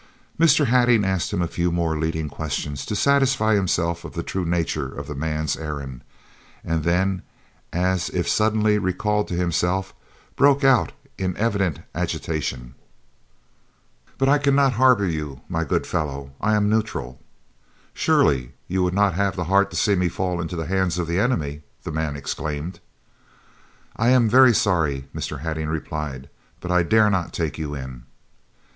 Mr. Hattingh asked him a few more leading questions to satisfy himself of the true nature of the man's errand, and then, as if suddenly recalled to himself, broke out in evident agitation: "But I cannot harbour you, my good fellow. I am neutral." "Surely you would not have the heart to see me fall into the hands of the enemy!" the man exclaimed. "I am very sorry," Mr. Hattingh replied, "but I dare not take you in."